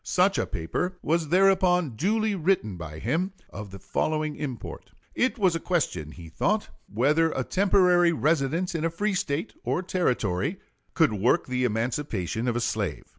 Such a paper was thereupon duly written by him, of the following import: It was a question, he thought, whether a temporary residence in a free State or Territory could work the emancipation of a slave.